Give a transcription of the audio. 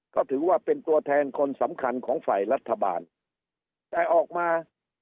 ก็ถือว่าเป็นตัวแทนคนสำคัญของฝ่ายรัฐบาลแต่ออกมา